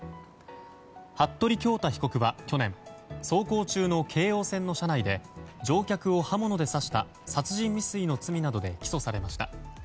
服部恭太被告は去年走行中の京王線の車内で乗客を刃物で刺した殺人未遂の罪などで起訴されました。